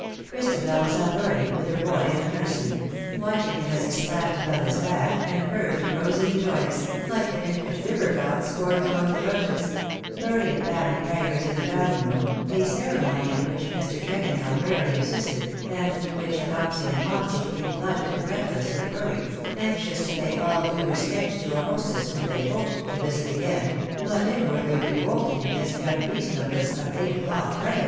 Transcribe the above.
Christabel was up early, with her boy, in the nursery — watching him as he splashed about his bath, and emerged rosy and joyous, like an infant river god sporting among the rushes ; early at family prayers in the dining room, a ceremony at which Mr. Tregonell rarely assisted, and to which Dopsy and Mopsy came flushed and breathless with hurry, anxious to pay all due respect to a hostess whom they hoped to visit again, but inwardly revolting against the unreasonableness of eight o'clock prayers* VOL.